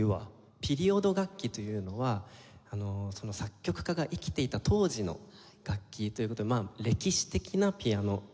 ピリオド楽器というのはその作曲家が生きていた当時の楽器という事で歴史的なピアノという事です。